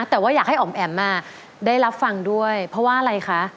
แต่ว่าอยากให้อ๋อมแอ๋มได้รับฟังด้วยเพราะว่าอะไรคะ